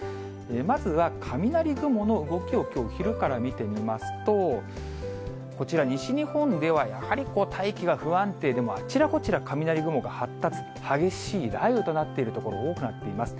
まずは雷雲の動きを、きょう昼から見てみますと、こちら、西日本ではやはり大気が不安定で、あちらこちら、雷雲が発達、激しい雷雨となっている所、多くなっています。